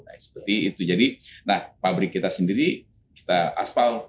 nah seperti itu jadi nah pabrik kita sendiri kita aspal